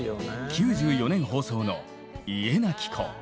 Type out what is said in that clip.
９４年放送の「家なき子」。